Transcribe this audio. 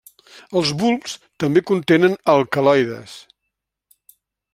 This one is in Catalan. Els bulbs també contenen alcaloides.